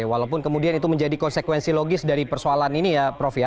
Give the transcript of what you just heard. walaupun kemudian itu menjadi konsekuensi logis dari persoalan ini ya prof ya